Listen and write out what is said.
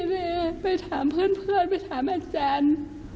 พี่เด็กเกลียไปถามเพื่อนไปถามอาจารย์